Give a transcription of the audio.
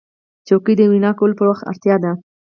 چوکۍ د وینا کولو پر وخت اړتیا ده.